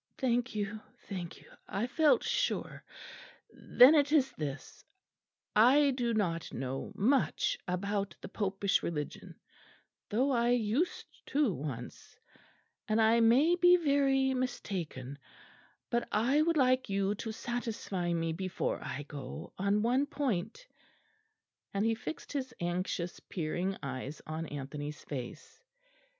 "Thank you, thank you I felt sure then it is this: I do not know much about the Popish religion, though I used to once, and I may be very mistaken; but I would like you to satisfy me before I go on one point"; and he fixed his anxious peering eyes on Anthony's face.